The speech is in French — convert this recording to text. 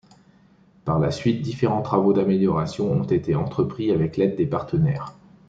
Par la suite, différents travaux d'amélioration ont été entrepris avec l'aide des partenaires.